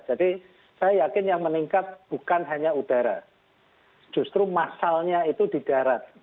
jadi saya yakin yang meningkat bukan hanya udara justru masalnya itu di darat